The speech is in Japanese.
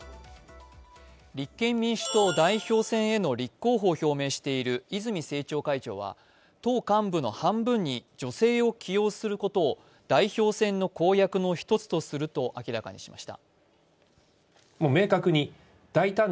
立憲民主党代表選への立候補を表明している泉政調会長は党幹部の半分に女性を起用することを代表選の公約の一つとすると明らかにしました。